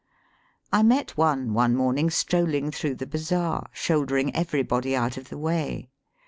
I met one one morning strolling through the bazaar, shouldering everybody out of the way.